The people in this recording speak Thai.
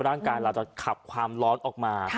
ร่างกายเราจะขับความร้อนออกมา